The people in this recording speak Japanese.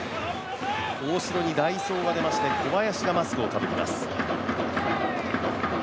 大城に代走が出まして、小林がマスクをかぶります。